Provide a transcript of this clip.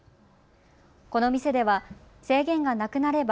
この店では制限がなくなれば